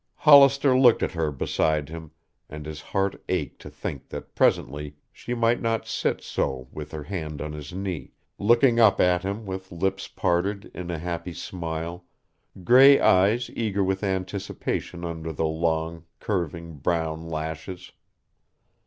Hollister looked at her beside him, and his heart ached to think that presently she might not sit so with her hand on his knee, looking up at him with lips parted in a happy smile, gray eyes eager with anticipation under the long, curving, brown lashes.